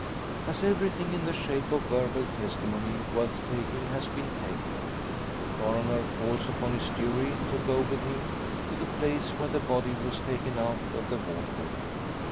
As everything in the shape of verbal testimony worth taking has been taken, the Coroner calls upon his jury to go with him to the place where the body was taken out of the water.